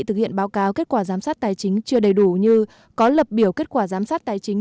thực hiện báo cáo kết quả giám sát tài chính chưa đầy đủ như có lập biểu kết quả giám sát tài chính